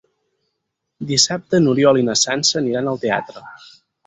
Dissabte n'Oriol i na Sança aniran al teatre.